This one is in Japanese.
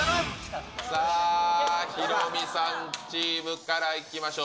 さあ、ヒロミさんチームからいきましょう。